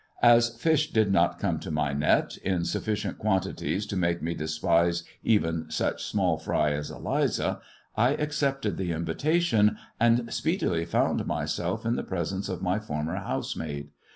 As fish did not come to my net in si quantities to make me despise even such small fry I accepted the invitation, and speedily found myself in presence of my former housemaid.